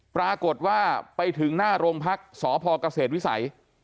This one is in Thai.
ปรากฏว่าไปถึงหน้าโรงพักษ์สอพอกระเสธวิสัย